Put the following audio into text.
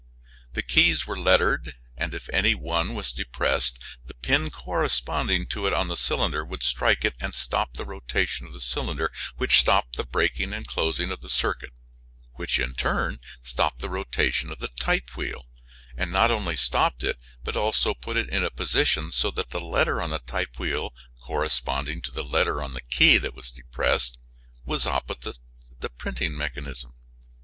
The keys were lettered, and if any one was depressed the pin corresponding to it on the cylinder would strike it and stop the rotation of the cylinder, which stopped the breaking and closing of the circuit, which in turn stopped the rotation of the type wheel and not only stopped it, but also put it in a position so that the letter on the type wheel corresponding to the letter on the key that was depressed was opposite the printing mechanism.